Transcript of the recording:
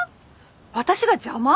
私が邪魔！？